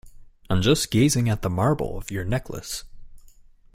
I'm just gazing at the marble of your necklace.